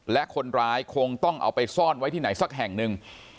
และคนร้ายคงต้องเอาไปซ่อนไว้ที่ไหนสักแห่งหนึ่ง